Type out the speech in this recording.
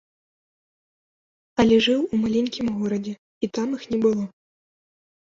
Але жыў у маленькім горадзе, і там іх не было.